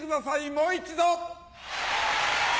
もう一度！